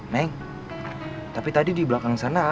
naik tapi tadi di belakang sana